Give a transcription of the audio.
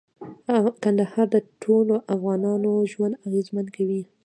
کندهار د ټولو افغانانو ژوند اغېزمن کوي.